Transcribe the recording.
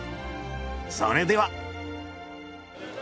それでは。